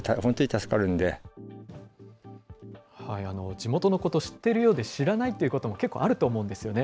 地元のこと、知ってるようで知らないっていうことも結構あると思うんですよね。